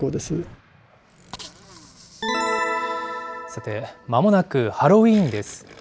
さて、まもなくハロウィーンです。